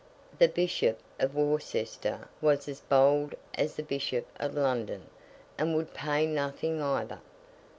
The Bishop of Worcester was as bold as the Bishop of London, and would pay nothing either.